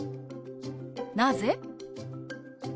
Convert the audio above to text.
「なぜ？」。